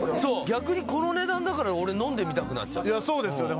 逆にこの値段だから俺飲んでみたくなっちゃった・いやそうですよね